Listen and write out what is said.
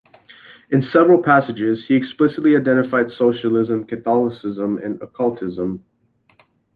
In several passages he explicitly identified socialism, Catholicism, and occultism.